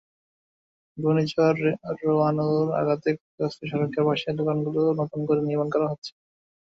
ঘূর্ণিঝড় রোয়ানুর আঘাতে ক্ষতিগ্রস্ত সড়কের পাশের দোকানগুলো নতুন করে নির্মাণ করা হচ্ছে।